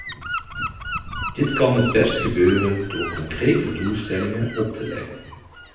Dit kan het best gebeuren door concrete doelstellingen op te leggen.